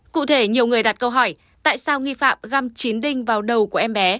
cụ thể nhiều người đặt câu hỏi tại sao nghi phạm găm chín đinh vào đầu của em bé